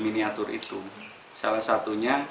miniatur itu salah satunya